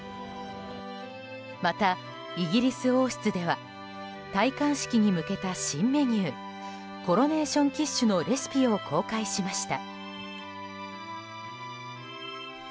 またイギリス王室では戴冠式に向けた新メニューコロネーション・キッシュのレシピを公開しました。